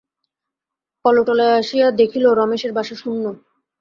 কলুটোলায় আসিয়া দেখিল, রমেশের বাসা শূন্য।